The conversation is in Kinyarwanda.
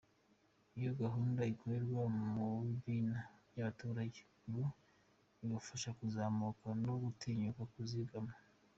Iyo gahunda ikorerwa mu bimina by’abaturage ngo ibafasha kuzamuka no gutinyuka kuzigama.